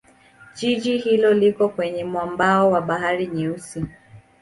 Jiji hilo liko kwenye mwambao wa Bahari Nyeusi.